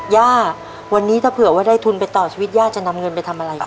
ย่าวันนี้ถ้าเผื่อว่าได้ทุนไปต่อชีวิตย่าจะนำเงินไปทำอะไรครับ